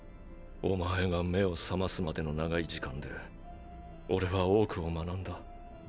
お前が目を覚ますまでの長い時間で俺は多くを学んだ。